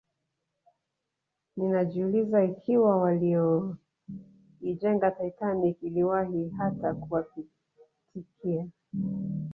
Ninajiuliza ikiwa walioijenga Titanic iliwahi hata kuwapitikia